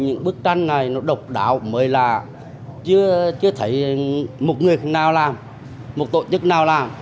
những bức tranh này nó độc đáo mới là chưa thấy một người nào làm một tổ chức nào làm